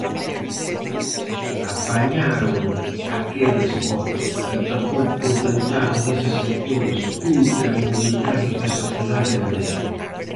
Apañaron aqueles votos, pero tampouco contentaron eses sectores ultraminoritarios da sociedade galega.